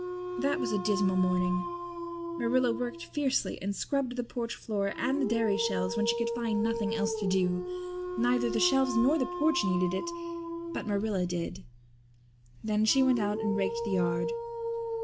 That was a dismal morning. Marilla worked fiercely and scrubbed the porch floor and the dairy shelves when she could find nothing else to do. Neither the shelves nor the porch needed it but Marilla did. Then she went out and raked the yard.